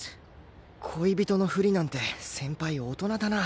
恋人のふりなんて先輩大人だな